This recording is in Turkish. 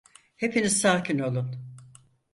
Hepiniz sakin olun.